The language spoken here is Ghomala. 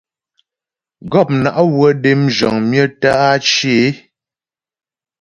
Gɔpna' wə́ dé yə mzhəŋ myə tə́ á cyə é.